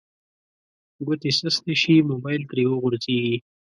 ګوتې سستې شي موبایل ترې وغورځیږي